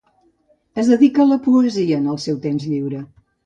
Es dedica a la poesia en el seu temps lliure.